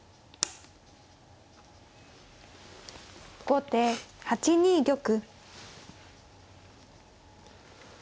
後手８二玉。